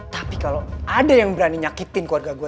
tapi kalau ada yang berani menyakiti keluarga aku